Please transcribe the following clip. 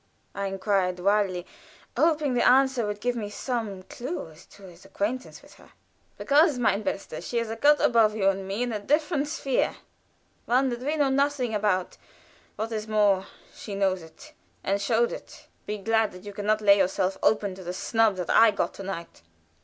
I inquired, wilily, hoping the answer would give me some clew to his acquaintance with her. "Because, mein Bester, she is a cut above you and me, in a different sphere, one that we know nothing about. What is more, she knows it, and shows it. Be glad that you can not lay yourself open to the snub that I got to night."